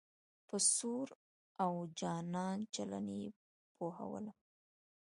په سوړ او جانانه چلن یې پوهولم.